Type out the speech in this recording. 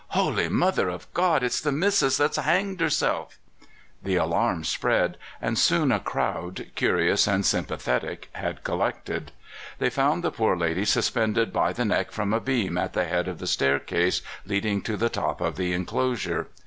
•' Holy Mother of God! It's the Missus that's hanged herself I " The alarm spread, and soon a crowd, curious and sympathetic, had collected. They found the poor lady suspended by the neck from a beam at the head of the staircase leading to the top of the inclosure.